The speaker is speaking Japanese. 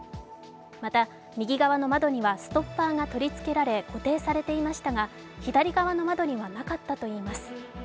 また右側の窓にはストッパーが取り付けられ固定されていましたが左側の窓にはなかったといいます。